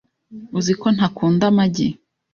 Uzi ko ntakunda amagi .